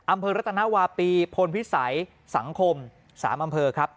รัฐนาวาปีพลพิสัยสังคม๓อำเภอครับ